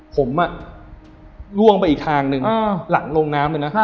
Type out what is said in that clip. ผมล้วงไปอีกทางหนึ่งหลังคองน้ำ